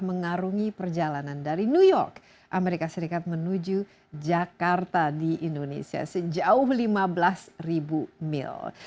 mengarungi perjalanan dari new york amerika serikat menuju jakarta di indonesia sejauh lima belas ribu mil